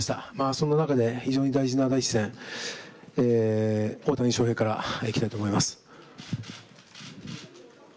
その中で本当に大事な第一戦大谷翔平からいきたいと思います。